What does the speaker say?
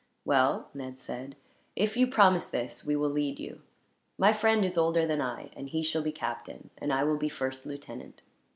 "Well," Ned said, "if you promise this, we will lead you. My friend is older than I; and he shall be captain, and I will be first lieutenant."